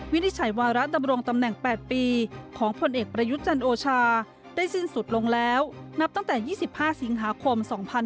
วินิจฉัยวาระดำรงตำแหน่ง๘ปีของผลเอกประยุทธ์จันโอชาได้สิ้นสุดลงแล้วนับตั้งแต่๒๕สิงหาคม๒๕๕๙